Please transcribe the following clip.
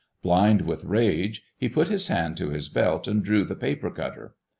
Blind with rage, he put his hand to his belt and drew the paper cutter.